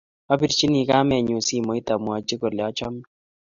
Apirchini kamennyu simet amwochi kole achame